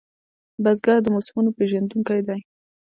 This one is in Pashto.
بزګر د موسمو پېژندونکی دی